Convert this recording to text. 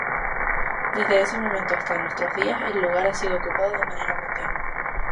Desde ese momento hasta nuestros días el lugar ha sido ocupado de manera continua.